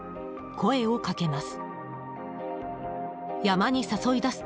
声をかけます。